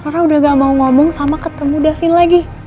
karena udah gak mau ngomong sama ketemu davin lagi